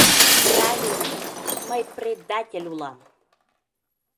Правильно, мый предатель улам!